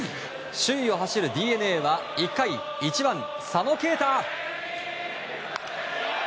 首位を走るＤｅＮＡは１回１番、佐野恵太。